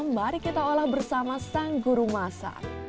mari kita olah bersama sang guru masak